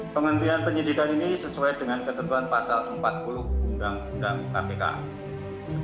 penghentian penyidikan ini sesuai dengan ketentuan pasal empat puluh undang undang kpk